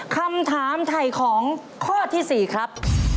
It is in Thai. คำถามไถ่ของข้อที่๔ครับ